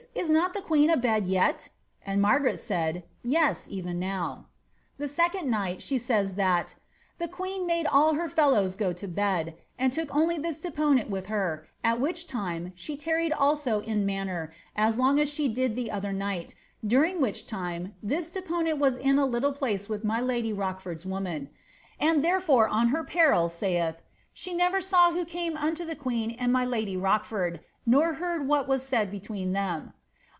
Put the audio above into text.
is not the queen a bed yet?' and Margaret said, ^ Yes, even now.' < The second night,' she says that ^ the queen made all her fellows go to bed, and took only this deponent with her, al which time she tarried also in manner as long as she did the other night, during which time this deponent was in a little place with ray lady Rochford's woman,' and ^ therefore on her peril,' saiih ^ she nerer saw who came unto the queen and my lady Rochford, nor heard what was said between them.'